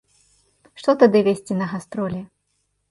Што тады везці на гастролі?